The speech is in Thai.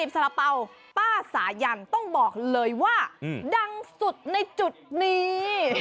สาระเป๋าป้าสายันต้องบอกเลยว่าดังสุดในจุดนี้